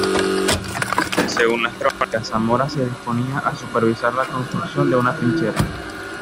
Según las crónicas, Zamora se disponía a supervisar la construcción de una trinchera.